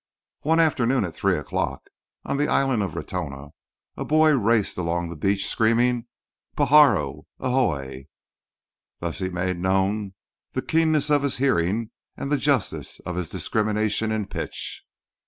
One afternoon at three o'clock, on the island of Ratona, a boy raced along the beach screaming, "Pajaro, ahoy!" Thus he made known the keenness of his hearing and the justice of his discrimination in pitch.